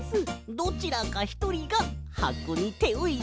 どちらかひとりがはこにてをいれるよ。